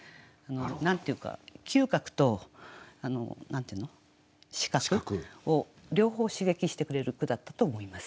何て言うか嗅覚と視覚を両方刺激してくれる句だったと思います。